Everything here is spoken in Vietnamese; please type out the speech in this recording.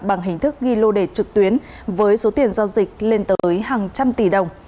bằng hình thức ghi lô đề trực tuyến với số tiền giao dịch lên tới hàng trăm tỷ đồng